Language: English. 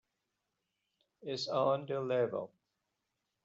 It's on the level.